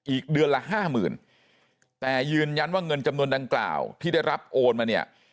อีกเดือนละห้าหมื่นแต่ยืนยันว่าเงินจำนวนดังกล่าวที่ได้รับโอนมาเนี่ย